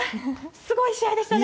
すごい試合でしたね！